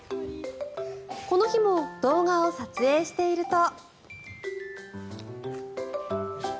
この日も動画を撮影していると。